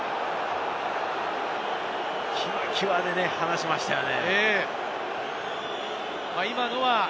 きわっきわで離しましたね。